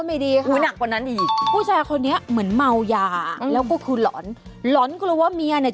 ศาลพระภูมิสั่งมาอย่างนั้น